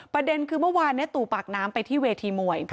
ประเด็นคือเมื่อวานตู่ปากน้ำไปที่เวทีมวย